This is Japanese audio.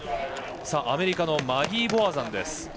アメリカのマギー・ボワザンです。